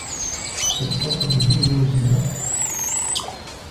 اتصل بي لو سمحت.